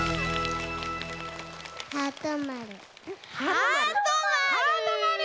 ハートまる。